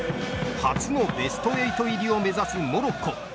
初のベスト８入りを目指すモロッコ。